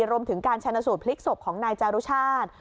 รวมถึงการชนสูตรพลิกศพของนายจารุชาติ